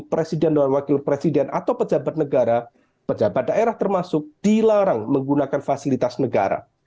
presiden dan wakil presiden atau pejabat negara pejabat daerah termasuk dilarang menggunakan fasilitas negara